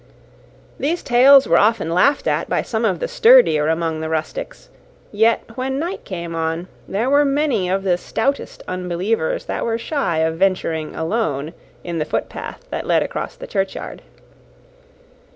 These tales were often laughed at by some of the sturdier among the rustics, yet when night came on, there were many of the stoutest unbelievers that were shy of venturing alone in the footpath that led across the churchyard.